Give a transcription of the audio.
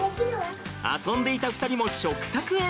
遊んでいた２人も食卓へ！